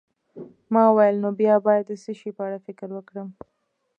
ما وویل: نو بیا باید د څه شي په اړه فکر وکړم؟